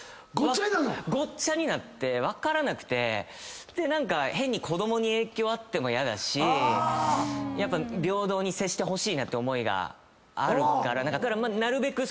ごっちゃになるの⁉分からなくて何か変に子供に影響あってもヤダしやっぱ平等に接してほしいなって思いがあるから。